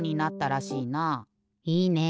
いいね。